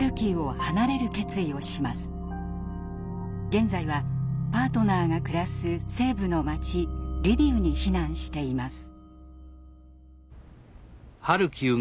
現在はパートナーが暮らす西部の街リビウに避難しています。